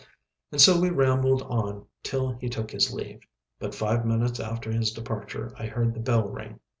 And so we rambled on till he took his leave. But five minutes after his departure I heard the bell ring.